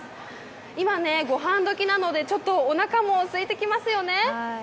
今ご飯時なのでちょっとおなかもすいてきますよね。